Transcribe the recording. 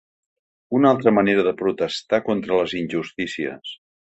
Una altra manera de protestar contra les injustícies.